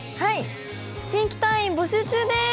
新規隊員募集中です！